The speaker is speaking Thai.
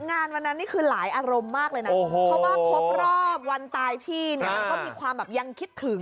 งานวันนั้นนี่คือหลายอารมณ์มากเลยนะเพราะว่าครบรอบวันตายพี่เนี่ยมันก็มีความแบบยังคิดถึง